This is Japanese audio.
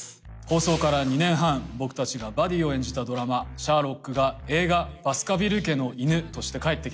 放送から２年半僕たちがバディを演じたドラマ『シャーロック』が映画『バスカヴィル家の犬』として帰ってきます。